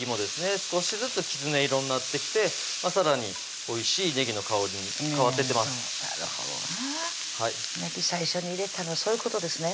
少しずつきつね色になってきてさらにおいしいねぎの香りに変わっていってますなるほどなねぎ最初に入れたのそういうことですね